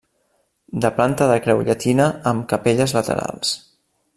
De planta de creu llatina amb capelles laterals.